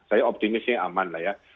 saya optimisnya aman lah ya